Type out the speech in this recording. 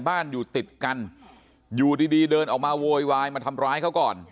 บ้านอยู่ติดกันอยู่ดีเดินออกมาโวยวายมาทำร้ายเขาก่อน